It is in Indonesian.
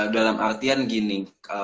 dalam artian gini